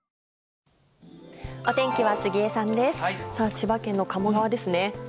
千葉県の鴨川ですね。